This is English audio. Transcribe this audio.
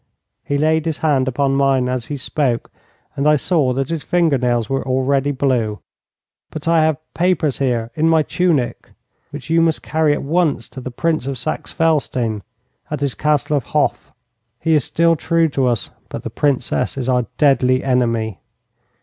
He laid his hand upon mine as he spoke, and I saw that his finger nails were already blue. 'But I have papers here in my tunic which you must carry at once to the Prince of Saxe Felstein, at his Castle of Hof. He is still true to us, but the Princess is our deadly enemy.